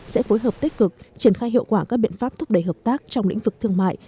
sẽ phối hợp tích cực triển khai hiệu quả các biện pháp thúc đẩy hợp tác trong lĩnh vực thương mại